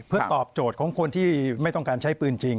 เพื่อตอบโจทย์ของคนที่ไม่ต้องการใช้ปืนจริง